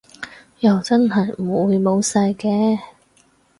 又真係唔會冇晒嘅